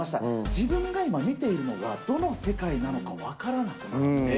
自分が今見ているのが、どの世界なのか分からなくなって。